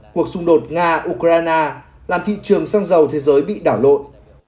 cuộc xung đột nga ukraine làm thị trường xăng dầu thế giới bị đảo lộn